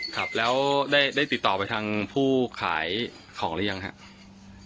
ครับแล้วได้ติดต่อไปทางผู้ขายของหรือยังครับ